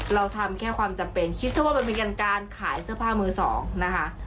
เราทำแค่ความจำเป็นคิดซะว่ามันเป็นการขายเสื้อผ้ามือสองนะคะ